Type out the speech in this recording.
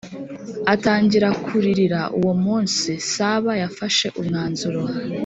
atangira kuririra Uwo munsi Saba yafashe umwanzuro